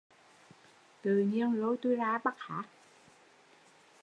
Tự nhiên lôi tui ra bắt hát